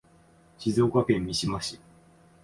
静岡県三島市